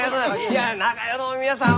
いや長屋の皆さん